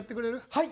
はい！